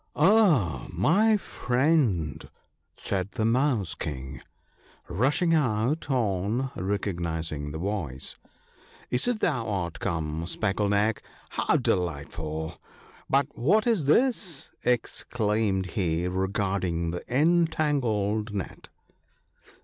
' Ah, my friend !' said^the Mouse king, rushing out on recognizing the voice, * is it thou art come, Speckle neck ! how delightful !— But what is this ?' exclaimed he, regarding the entangled net.